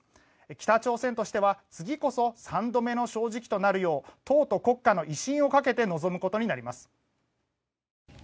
北朝鮮としては次こそ三度目の正直となるよう党と国家の威信をかけて臨むことになります。